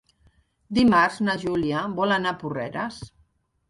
Dimarts na Júlia vol anar a Porreres.